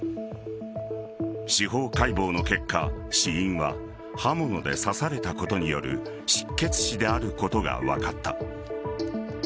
司法解剖の結果死因は刃物で刺されたことによる失血死であることが分かった。